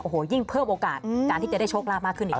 โอ้โหยิ่งเพิ่มโอกาสการที่จะได้โชคลาภมากขึ้นอีก